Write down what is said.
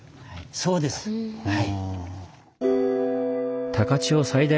そうですねはい。